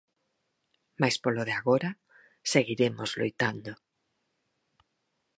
Mais polo de agora, seguiremos loitando.